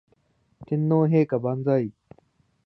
天皇陛下万歳